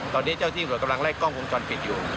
ตอนนี้เจ้าที่ตำรวจกำลังไล่กล้องวงจรปิดอยู่